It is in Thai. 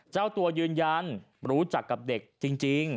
เจ้าตัวยืนยันรู้จักกับเด็กจริง